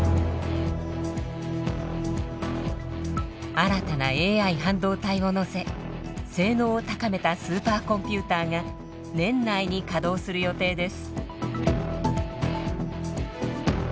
新たなＡＩ半導体を載せ性能を高めたスーパーコンピューターが年内に稼働する予定です。